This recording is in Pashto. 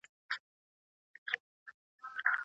که د موټرو جریمه په سیستم کي ثبت سي، نو سرغړونې نه پټیږي.